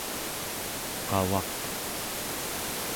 qavaq